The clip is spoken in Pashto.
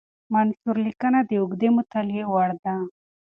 منثور لیکنه د اوږدې مطالعې وړ ده.